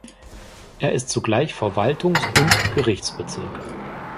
Er ist zugleich Verwaltungs- und Gerichtsbezirk.